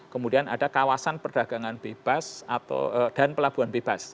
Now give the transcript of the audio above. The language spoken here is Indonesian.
kemudian ada kawasan perdagangan bebas dan pelabuhan bebas